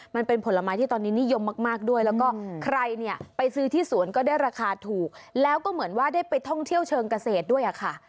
มันเป็นผลไม้ที่ตอนนี้นิยมมากด้วยแล้วก็ใครเนี่ยไปซื้อที่สวนก็ได้ราคาถูกแล้วก็เหมือนว่าได้ไปท่องเที่ยวเชิงเกษตรด้วยค่ะ